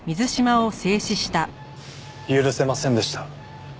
許せませんでした。